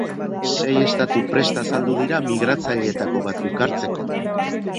Sei estatu prest agertu dira migratzaileetako batzuk hartzeko.